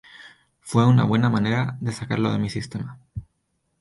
Fue una buena manera de sacarlo de mi sistema.